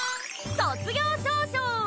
卒業証書！